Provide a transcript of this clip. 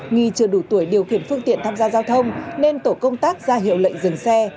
nghi chưa đủ tuổi điều khiển phương tiện tham gia giao thông nên tổ công tác ra hiệu lệnh dừng xe